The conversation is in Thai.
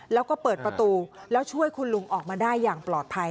แล้วก็เปิดประตูแล้วช่วยคุณลุงออกมาได้อย่างปลอดภัย